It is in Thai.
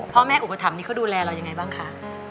อุปถัมภ์นี่เขาดูแลเรายังไงบ้างคะ